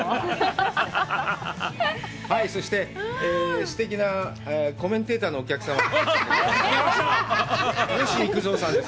そして、すてきなコメンテーターのお客様、吉幾三さんです。